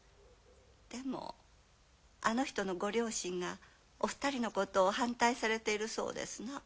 でもあの人のご両親がお二人のことを反対されているそうですな。